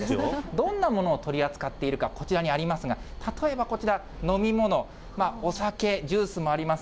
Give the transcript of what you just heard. どんなものを取り扱っているか、こちらにありますが、例えばこちら、飲み物、お酒、ジュースもあります。